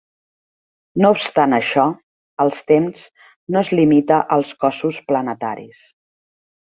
No obstant això, el temps no es limita als cossos planetaris.